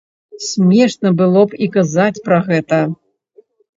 Смешна было б і казаць пра гэта.